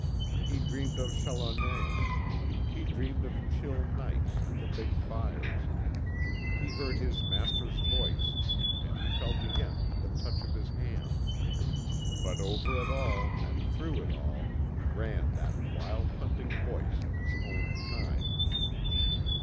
He dreamed of Challoner. He dreamed of chill nights and the big fires; he heard his master's voice and he felt again the touch of his hand; but over it all and through it all ran that wild hunting voice of his own kind.